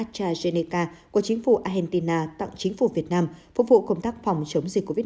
astrazeneca của chính phủ argentina tặng chính phủ việt nam phục vụ công tác phòng chống dịch covid một mươi chín